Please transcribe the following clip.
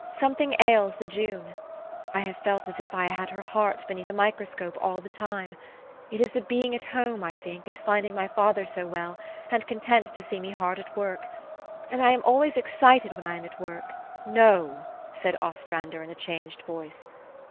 Something ails the June. I have felt as if I had her heart beneath a microscope all the time. It is the being at home, I think, and finding my father so well, and content to see me hard at work. And I am always excited when I am at work." " No," said Ostrander in a changed voice.